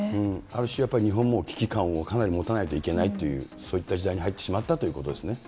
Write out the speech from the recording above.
ある種、やっぱり日本も危機感をかなり持たないといけないという、そういった時代に入ってしそうですね。